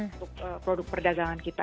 untuk produk perdagangan kita